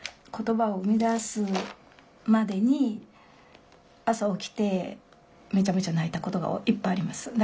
言葉を生み出すまでに朝起きてめちゃめちゃ泣いたことがいっぱいあります。